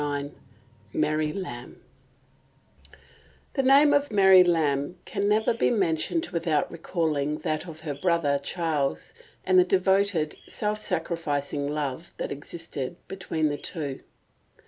IX MARY LAMB THE name of Mary Lamb can never be mentioned without recalling that of her brother Charles, and the devoted, self sacrificing love that existed between the two.